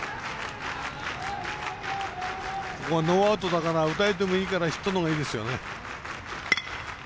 ノーアウトだから打たれてもいいからヒットのほうがいいですよね。